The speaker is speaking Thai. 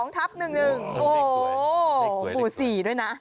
๒๒๒ทับ๑๑โอ้โหสีด้วยนะ